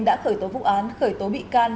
đã khởi tố vụ án khởi tố bị can